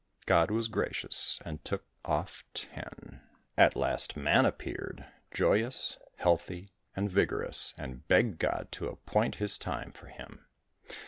God was gracious and took off ten. At last man appeared, joyous, healthy and vigorous, and begged God to appoint his time for him.